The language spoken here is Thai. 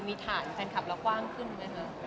มีฐานแฟนคลับเรากว้างขึ้นไหมคะ